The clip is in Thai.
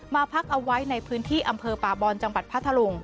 พักเอาไว้ในพื้นที่อำเภอป่าบอนจังหวัดพัทธลุง